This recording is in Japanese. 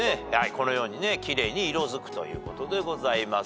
このようにね奇麗に色づくということでございます。